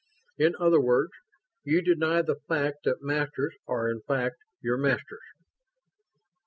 In other words, you deny the fact that Masters are in fact your Masters."